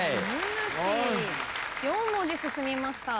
４文字進みました。